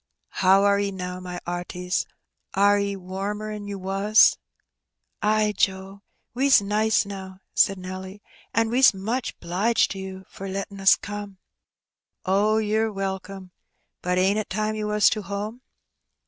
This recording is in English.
" How are 'e now, my 'arties ? Are 'e warmer'n you was ?" "Ay, Joe, we's nice now,*' said Nelly; "an' we's much ^liged to you for lettin' us come." '• Oh, ye're welcome. Brt ain't it time you was to home?